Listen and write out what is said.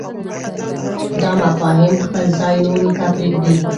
دا مفاهیم خپل ځای نورو ته پرېږدي.